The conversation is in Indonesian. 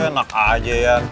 enak aja yan